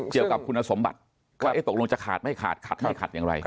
เกี่ยวกับคุณสมบัติว่าตกลงจะขาดไม่ขาดขัดไม่ขัดอย่างไร